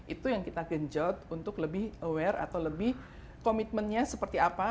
itu yang kita genjot untuk lebih aware atau lebih komitmennya seperti apa